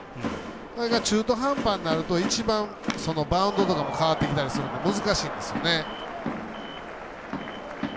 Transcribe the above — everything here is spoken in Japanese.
あれが中途半端になると一番、バウンドとかも変わってきたりするので難しいんですよね。